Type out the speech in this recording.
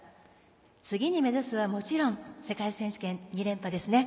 次に目指すはもちろん世界選手権２連覇ですね。